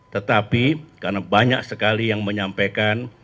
tetapi karena banyak sekali yang menyampaikan